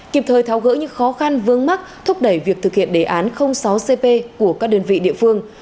kịp thời tháo gỡ những khó khăn vương mắc thúc đẩy việc thực hiện đề án sáu cp của các đơn vị địa phương